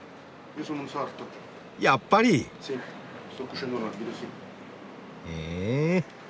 やっぱり！へ。